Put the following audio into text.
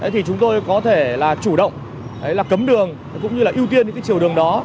thì chúng tôi có thể là chủ động cấm đường cũng như là ưu tiên những chiều đường đó